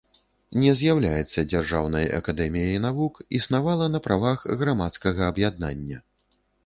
Не з'яўляецца дзяржаўнай акадэміяй навук, існавала на правах грамадскага аб'яднання.